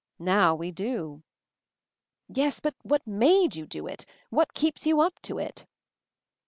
Now we do." "Yes; but what made you do it? What keeps you up to it?"